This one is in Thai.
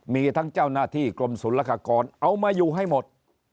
มีทั้งเจ้าหน้าที่กรมศูนย์ละกากรเอามาอยู่ให้หมด